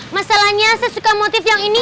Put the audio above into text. masalahnya saya suka motif yang ini